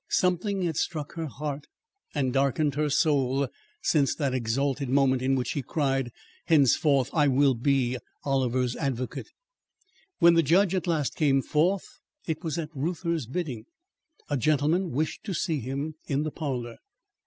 Something had struck her heart and darkened her soul since that exalted moment in which she cried: "Henceforth I will be Oliver's advocate." When the judge at last came forth, it was at Reuther's bidding. A gentleman wished to see him in the parlour.